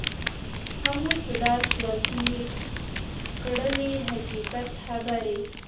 هغوی په دار شول چې یې کړلې حقیقت خبرې.